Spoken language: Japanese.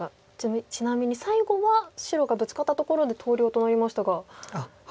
ちなみに最後は白がブツカったところで投了となりましたが。